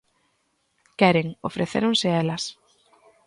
Queren, ofrecéronse elas.